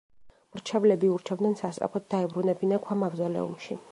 მრჩევლები ურჩევდნენ სასწრაფოდ დაებრუნებინა ქვა მავზოლეუმში.